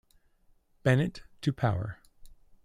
Bennett to power.